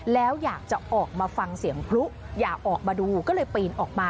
แล้วอยากจะออกมาฟังเสียงพลุอย่าออกมาดูก็เลยปีนออกมา